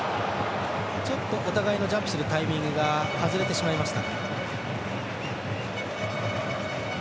ちょっとお互いのジャンプするタイミングが外れてしまいました。